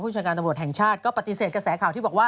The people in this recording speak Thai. ชาการตำรวจแห่งชาติก็ปฏิเสธกระแสข่าวที่บอกว่า